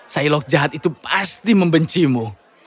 sailog jahat itu pasti membencimu